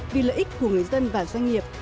vì lợi ích của người dân và doanh nghiệp